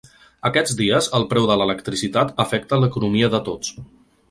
Aquests dies el preu de l’electricitat afecta l’economia de tots.